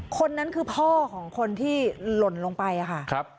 คนนั้นคือพ่อของคนที่หล่นลงไปค่ะ